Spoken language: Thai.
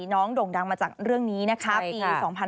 โด่งดังมาจากเรื่องนี้นะคะปี๒๕๕๙